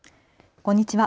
こんにちは。